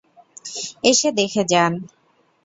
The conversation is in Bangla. এসে দেখে যান।